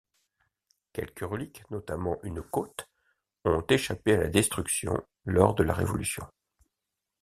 Quelques reliques, notamment une côte, ont échappé à la destruction lors de la Révolution.